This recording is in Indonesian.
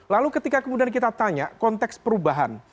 lalu ketika kemudian kita tanya konteks perubahan